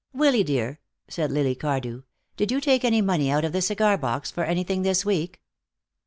"Willy dear," said Lily Cardew, "did you take any money out of the cigar box for anything this week?"